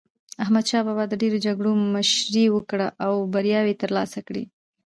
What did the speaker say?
احمد شاه بابا د ډېرو جګړو مشري وکړه او بریاوي یې ترلاسه کړې.